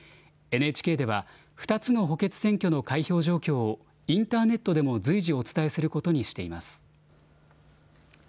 ＮＨＫでは、２つの補欠選挙の開票状況をインターネットでも随時お伝えすることにしています。